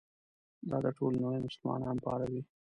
دا د ټولې نړۍ مسلمانان پاروي.